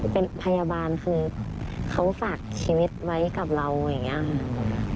เป็นพยาบาลคือเขาฝากชีวิตไว้กับเราอย่างนี้ค่ะ